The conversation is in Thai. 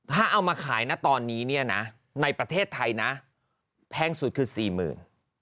ถ้าเอามาขายตอนนี้ในประเทศไทยแพงสุดคือ๔๐๐๐๐